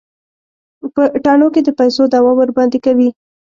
په تاڼو کې د پيسو دعوه ورباندې کوي.